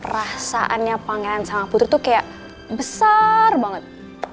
rasaannya panggilan sama putri tuh kayak besar banget